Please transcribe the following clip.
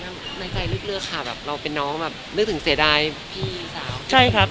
นายใจเลือกเลือกถึงเนาะซึ่งเศรษฐายพี่สาว